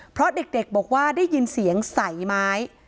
เพราะเด็กบอกว่าได้ยินเสียงใส่ไม้